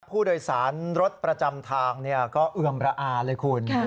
ผู้โดยสารรถประจำทางก็เอือมระอาเลยคุณ